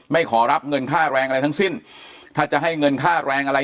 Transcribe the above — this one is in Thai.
ขอรับเงินค่าแรงอะไรทั้งสิ้นถ้าจะให้เงินค่าแรงอะไร